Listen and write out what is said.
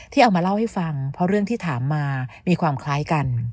เอามาเล่าให้ฟังเพราะเรื่องที่ถามมามีความคล้ายกัน